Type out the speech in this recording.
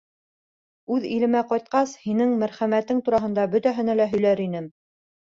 Үҙ илемә ҡайтҡас, һинең мәрхәмәтең тураһында бөтәһенә лә һөйләр инем.